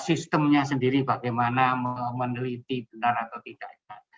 sistemnya sendiri bagaimana meneliti benar atau tidaknya